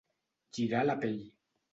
Girar la pell.